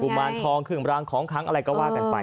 กุมารทองขึ่งรางของอะไรก็ว่ากันไป